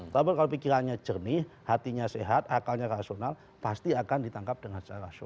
tapi kalau pikirannya jernih hatinya sehat akalnya rasional pasti akan ditangkap dengan secara rasional